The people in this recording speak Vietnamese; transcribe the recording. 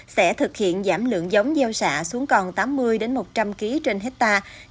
sẽ thực hiện giảm lượng giống gieo xạ xuống còn tám mươi một trăm linh kg trên hectare